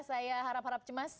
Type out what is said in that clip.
saya harap harap cemas